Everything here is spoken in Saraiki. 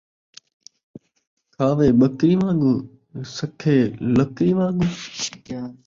کھاوے ٻکری وان٘گوں ، سکے لکڑی وان٘گوں